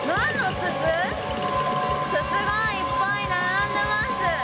筒がいっぱい並んでます。